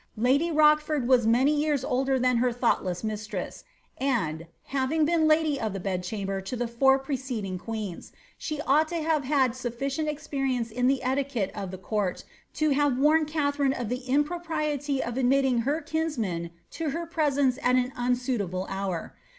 Lady Rochford was many yean older than her thoughtless mistress, and, having been lady of the bed« chamber to the four preceding queens, she ought to have had safficient experience in the etiquette of the court to have warned Katharine of the impropriety of admitting her kinsman to her presence at an nnsnitable hour.